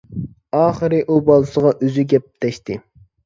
ئاخىرى ئۇ بالىسىغا ئۆزى گەپ تەشتى.